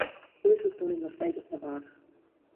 Lewis was born in Las Vegas, Nevada.